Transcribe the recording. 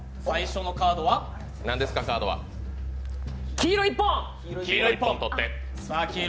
黄色１本！